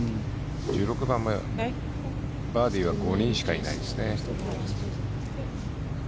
１６番もバーディーは５人しかいないですね。